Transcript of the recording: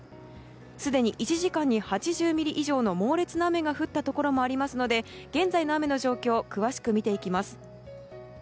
すでに１時間に８０ミリ以上の猛烈な雨が降ったところもありますので現在の雨の状況詳しく見ていきます。